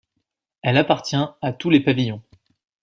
Elle appartient à tous les pavillons.